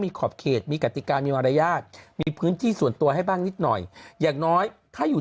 มีขอบเขตมีกติกามีมารยาทมีพื้นที่ส่วนตัวให้บ้างนิดหน่อยอย่างน้อยถ้าอยู่